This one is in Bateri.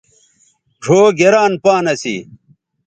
ڙھؤ گران پان اسی